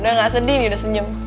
udah gak sedih nih udah senyum